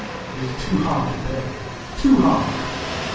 It is too hard to bear, too hard!!"